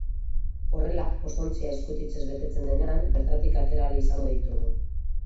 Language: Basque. Horrela, postontzia eskutitzez betetzen denean bertatik atera ahal izango ditugu.